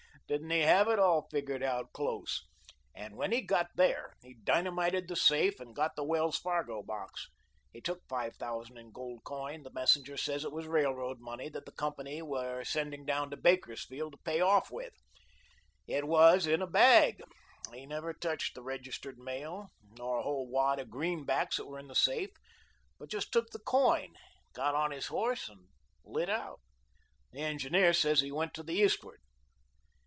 Didn't he have it all figured out close? And when he got there, he dynamited the safe and got the Wells Fargo box. He took five thousand in gold coin; the messenger says it was railroad money that the company were sending down to Bakersfield to pay off with. It was in a bag. He never touched the registered mail, nor a whole wad of greenbacks that were in the safe, but just took the coin, got on his horse, and lit out. The engineer says he went to the east'ard."